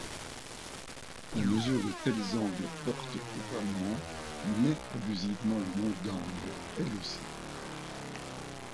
La mesure de tels angles porte couramment mais abusivement le nom d'angle, elle aussi.